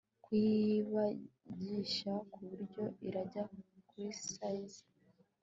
kuyigabanyisha kuburyo irajya kuti size